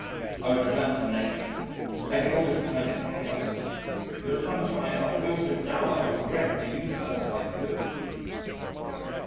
I would return to Nature I could almost return to Chaos. There are times when I feel so dour I would wreck the universe if I could.